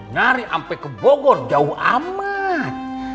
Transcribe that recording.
nyari sampai ke bogor jauh amat